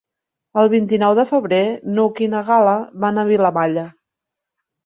El vint-i-nou de febrer n'Hug i na Gal·la van a Vilamalla.